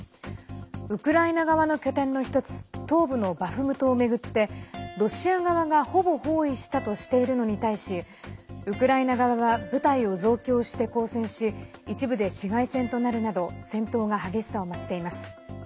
ウクライナ側の拠点の１つ東部のバフムトを巡ってロシア側がほぼ包囲したとしているのに対しウクライナ側は部隊を増強して抗戦し一部で市街戦となるなど戦闘が激しさを増しています。